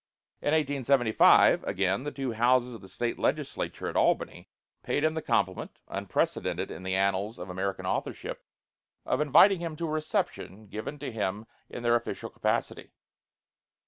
In 1875, again, the two houses of the State Legislature at Albany paid him the compliment, unprecedented in the annals of American authorship, of inviting him to a reception given to him in their official capacity.